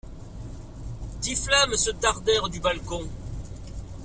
Dix flammes se dardèrent du balcon.